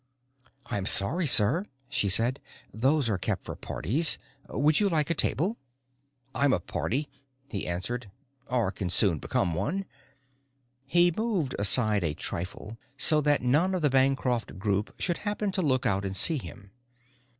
"I'm sorry, sir," she said. "Those are kept for parties. Would you like a table?" "I'm a party," he answered, "or can soon become one." He moved aside a trifle so that none of the Bancroft group should happen to look out and see him.